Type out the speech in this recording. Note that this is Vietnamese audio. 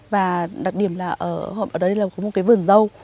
và đặc điểm là ở đây là có một cái vườn dâu